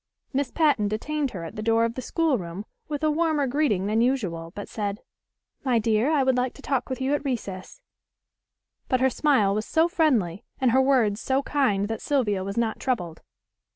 Miss Patten detained her at the door of the schoolroom with a warmer greeting than usual, but said: "My dear, I want to talk with you at recess;" but her smile was so friendly and her words so kind that Sylvia was not troubled.